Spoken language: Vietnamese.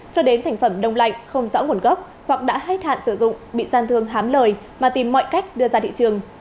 cho đến thành phẩm đông lạnh không rõ nguồn gốc hoặc đã hết hạn sử dụng bị gian thương hám lời mà tìm mọi cách đưa ra thị trường